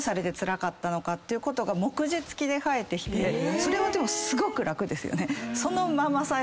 それはでもすごく楽ですよね。